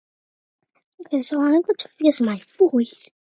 Foarte bine, fiule.